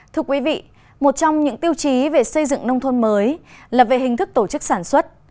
thưa quý vị một trong những tiêu chí về xây dựng nông thôn mới là về hình thức tổ chức sản xuất